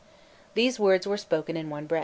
These words were spoken in one breath.